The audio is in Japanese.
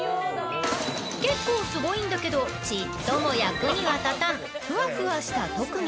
結構すごいんだけどちっとも役には立たんふわふわした特技。